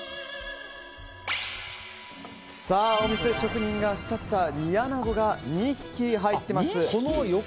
お店で職人が仕立てた煮穴子が２匹入ってます。